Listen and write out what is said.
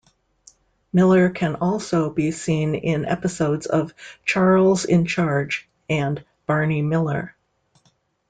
Miller can also be seen in episodes of "Charles in Charge" and "Barney Miller".